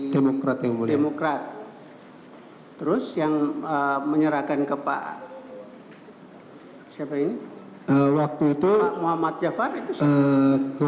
demokrat yang mulia